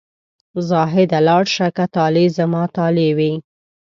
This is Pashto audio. زاهده لاړ شه که طالع زما طالع وي.